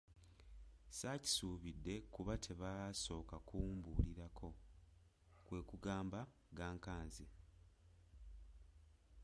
Saakisuubidde kuba tebaasooka kumbuulirako, kwe kugamba gankanze.